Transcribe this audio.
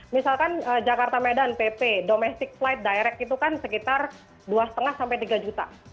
misalkan jakarta medan pp domestic flight direct itu kan sekitar dua lima sampai tiga juta